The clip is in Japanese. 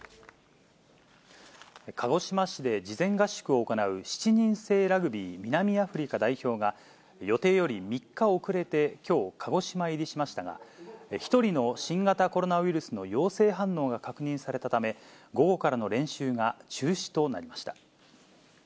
鹿児島市で事前合宿を行う、７人制ラグビー南アフリカ代表が、予定より３日遅れて、きょう、鹿児島入りしましたが、１人の新型コロナウイルスの陽性反応が確認されたため、午後からの練習が中止となりました。